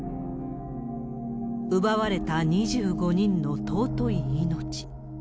奪われた２５人の尊い命。